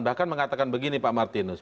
bahkan mengatakan begini pak martinus